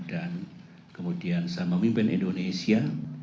dan kemudian saya memimpin indonesia